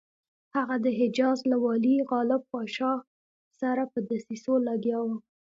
هغه د حجاز له والي غالب پاشا سره په دسیسو لګیا وو.